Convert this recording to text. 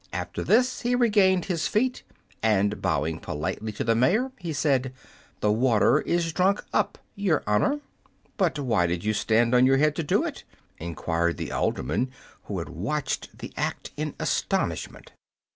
After this he regained his feet, and, bowing politely to the mayor, he said, "The water is drunk up, your honor." "But why did you stand on your head to do it?" enquired the alderman, who had watched the act in astonishment.